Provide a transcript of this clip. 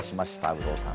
有働さん。